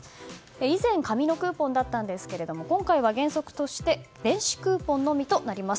以前紙のクーポンだったんですが今回は原則として電子クーポンのみとなります。